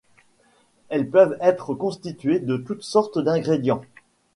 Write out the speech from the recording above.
Elles peuvent être constituées de toutes sortes d'ingrédients.